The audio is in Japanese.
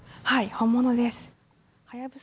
本物です。